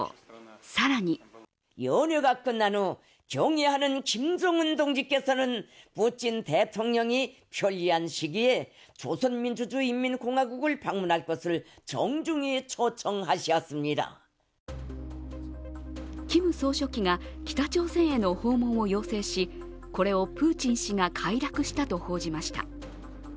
更にキム総書記が北朝鮮への訪問を要請しこれをプーチン氏が快諾したと報じました。